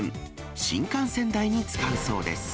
新幹線代に使うそうです。